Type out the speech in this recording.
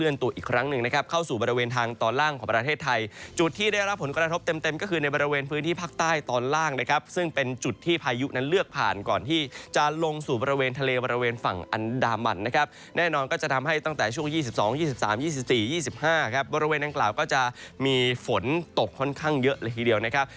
ขึ้นตัวอีกครั้งหนึ่งนะครับเข้าสู่บริเวณทางตอนล่างของประเทศไทยจุดที่ได้รับผลกระทบเต็มก็คือในบริเวณพื้นที่ภาคใต้ตอนล่างนะครับซึ่งเป็นจุดที่พายุนั้นเลือกผ่านก่อนที่จะลงสู่บริเวณทะเลบริเวณฝั่งอันดามันนะครับแน่นอนก็จะทำให้ตั้งแต่ช่วง๒๒๒๓๒๔๒๕ครับบริเวณอังกฬาวก็จะมีฝนตกค่